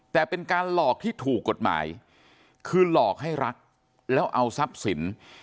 แต่เป็นการหลอกที่ถูกกฎหมายคือหลอกให้รักแล้วเอาทรัพย์สิน